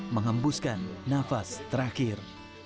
mengembuskan nafas terakhir